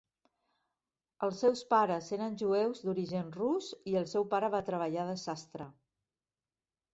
Els seus pares eren jueus d'origen rus i el seu pare va treballar de sastre.